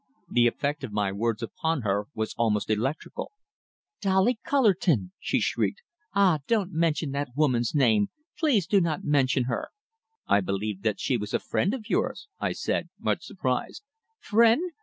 The effect of my words upon her was almost electrical. "Dolly Cullerton!" she shrieked. "Ah! Don't mention that woman's name! Please do not mention her!" "I believed that she was a friend of yours," I said, much surprised. "Friend?